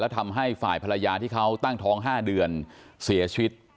ทำให้ฝ่ายภรรยาที่เขาตั้งท้อง๕เดือนเสียชีวิต